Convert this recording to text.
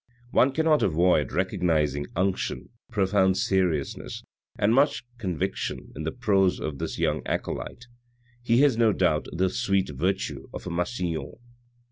One cannot avoid recognising unction, profound seriousness, and much con viction in the prose of this young acolyte ; he has no doubt the sweet virtue of a Massillon."